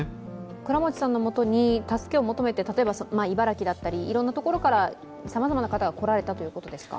倉持さんのもとに助けを求めて茨城だったりいろんなところからさまざまな方が来られたということですか。